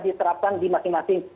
diterapkan di masing masing